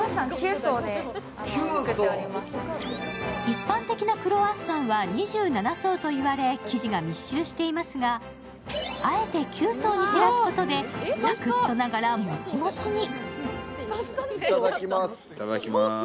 一般的なクロワッサンは２７層といわれ、生地が密集していますが、あえて９層に減らすことでサクッとながらモチモチに。